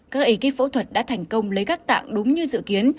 các ảy kích phẫu thuật đã thành công lấy các tạng đúng như dự kiến